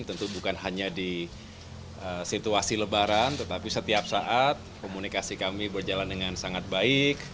tentu bukan hanya di situasi lebaran tetapi setiap saat komunikasi kami berjalan dengan sangat baik